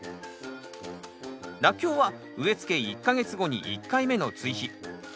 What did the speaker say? ラッキョウは植え付け１か月後に１回目の追肥。